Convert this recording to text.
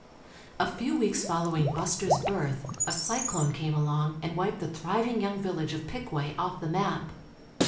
A few' weeks fol lowing Buster's birth a cyclone came along and wiped the thriv ing young village of Pickway off the map.